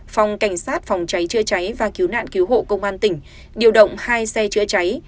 phòng cảnh sát phòng cháy chữa cháy và cứu nạn cứu hộ công an tỉnh điều động hai xe chữa cháy